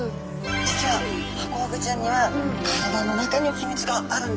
実はハコフグちゃんには体の中にヒミツがあるんですね。